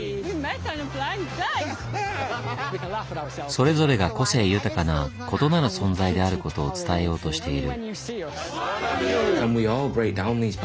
それぞれが個性豊かな異なる存在であることを伝えようとしている。